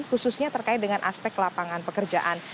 khususnya terkait dengan aspek lapangan pekerjaan